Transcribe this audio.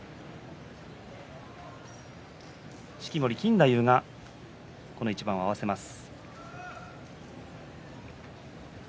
式守錦太夫がこの一番を合わせます。